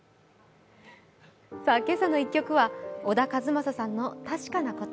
「けさの１曲」は小田和正さんの「たしかなこと」。